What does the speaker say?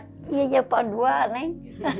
udah iya jepang dua neng